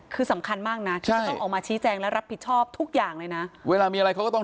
คือสำคัญมากนะที่จะต้องออกมาชี้แจงและรับผิดชอบทุกอย่างเลยนะเวลามีอะไรเขาก็ต้อง